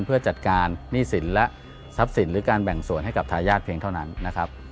เพื่อจัดการหนี้สินและทรัพย์สินหรือการแบ่งส่วนให้กับทายาทเพียงเท่านั้นนะครับ